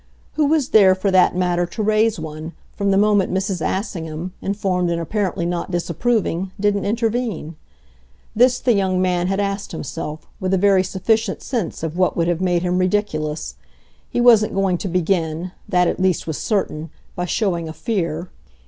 Who was there, for that matter, to raise one, from the moment Mrs. Assingham, informed and apparently not disapproving, didn't intervene? This the young man had asked himself with a very sufficient sense of what would have made him ridiculous. He wasn't going to begin that at least was certain by showing a fear.